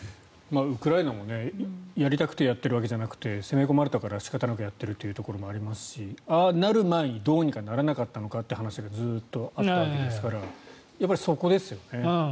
ウクライナもやりたくてやっているわけじゃなくて攻め込まれたから仕方なくやっているというところもありますしああなる前に、どうにかならなかったのかという話がずっとあったわけですからそこですよね。